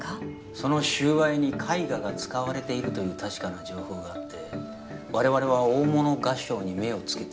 その収賄に絵画が使われているという確かな情報があって我々は大物画商に目をつけていた。